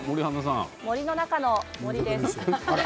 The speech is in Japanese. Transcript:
森の中の森です。